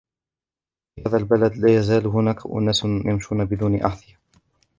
في هذا البلد ، لا يزال هناك أناس يمشون بدون أحذية.